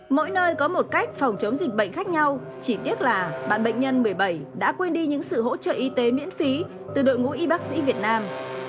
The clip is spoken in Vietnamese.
mỗi nơi có một cách phòng chống dịch bệnh khác nhau chỉ tiếc là bạn bệnh nhân một mươi bảy đã quên đi những sự hỗ trợ y tế miễn phí từ đội ngũ y bác sĩ việt nam